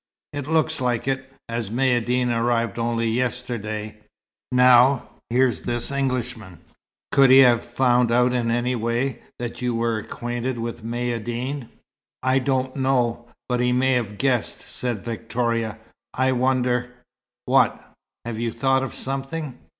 It looks like it, as Maïeddine arrived only yesterday. Now, here's this Englishman! Could he have found out in any way, that you were acquainted with Maïeddine?" "I don't know, but he might have guessed," said Victoria. "I wonder " "What? Have you thought of something?"